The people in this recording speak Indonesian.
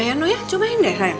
ya noya cobain deh sayang